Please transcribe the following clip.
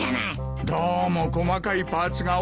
どうも細かいパーツが多くてな。